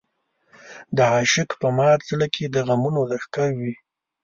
د عاشق په مات زړه کې د غمونو لښکر وي.